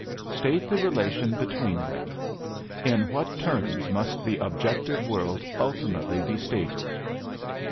State the relation between them. In what terms must the objective world ultimately be stated?